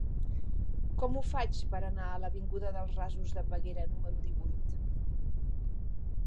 Com ho faig per anar a l'avinguda dels Rasos de Peguera número divuit?